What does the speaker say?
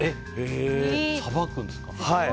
さばくんですか？